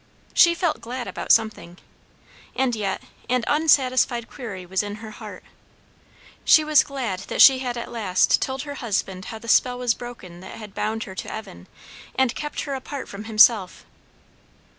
She felt glad about something, and yet an unsatisfied query was in her heart; she was glad that she had at last told her husband how the spell was broken that had bound her to Evan and kept her apart from himself.